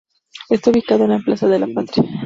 Está ubicado en la Plaza de la Patria.